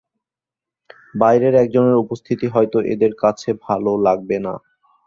বাইরের একজনের উপস্থিতি হয়তো এদের কাছে ভালো লাগবে না।